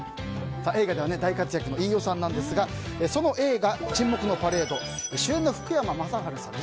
映画では大活躍の飯尾さんなんですがその映画「沈黙のパレード」主演の福山雅治さん